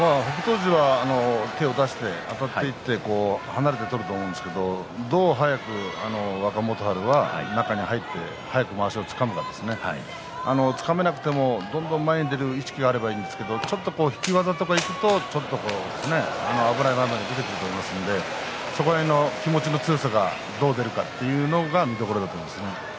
富士は手を出してあたっていって離れて取ると思うんですけどどう速く若元春は中に入って速くまわしをつかむかつかめなくてもどんどん前に出る意識があればいいんですけど引き技にいくとちょっと危ない場面が出てくると思いますのでその辺の気持ちの強さがどう出るかということが見どころだと思います。